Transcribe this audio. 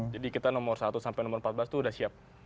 jadi kita nomor satu sampai nomor empat belas itu udah siap